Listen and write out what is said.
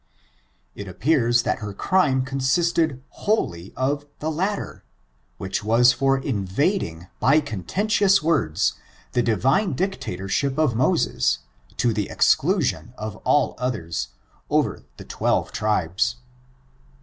It appears that her crime consisted whoUy of the IcUter, which was for invading by contentious words, the divine dictatorship of Moses, to the exclu sion of all others, over the twelve tribes.